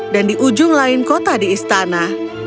di ujung lain kota di istana